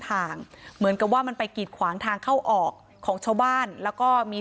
เหมือนกับว่ามันไปกีดขวางทางเข้าออกของชาวบ้านแล้วก็มี